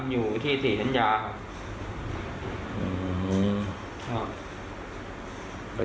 อยู่ที่สี่สั้นยาครับ